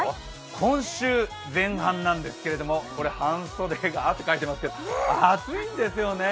今週、前半なんですけど半袖が汗かいてますけど暑いんですよね。